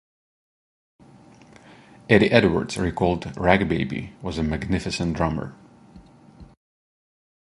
Eddie Edwards recalled Rag Baby was a magnificent drummer...